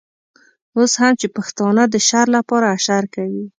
اوس هم چې پښتانه د شر لپاره اشر کوي.